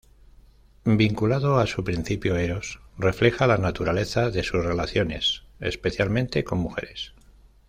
Vinculado a su principio eros, refleja la naturaleza de sus "relaciones", especialmente con mujeres.